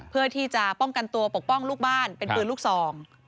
เพื่อที่จะป้องกันตัวปกป้องลูกบ้านเป็นปืนลูกซอง